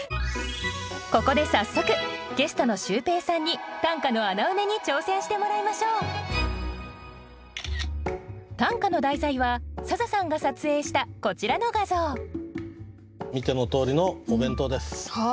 ここで早速ゲストのシュウペイさんに短歌の穴埋めに挑戦してもらいましょう短歌の題材は笹さんが撮影したこちらの画像見てのとおりのお弁当です。